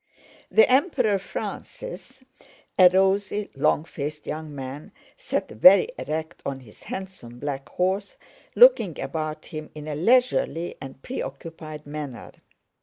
The Emperor Francis, a rosy, long faced young man, sat very erect on his handsome black horse, looking about him in a leisurely and preoccupied manner.